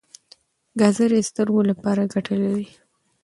ګازرې د سترګو لپاره ګټه لري.